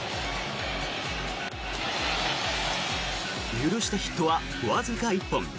許したヒットはわずか１本。